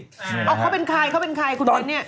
อ๋อเขาเป็นใครคุณแม่นนี่